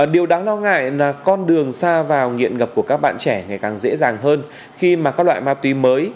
điều đáng lo ngại là con đường xa vào nghiện ngập của các bạn trẻ ngày càng dễ dàng hơn khi mà các loại ma túy mới